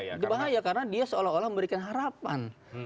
itu bahaya karena dia seolah olah memberikan harapan